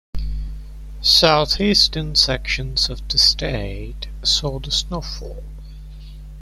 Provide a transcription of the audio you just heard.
Southeastern sections of the state saw the snowfall.